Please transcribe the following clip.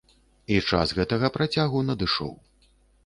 І час гэтага працягу надышоў.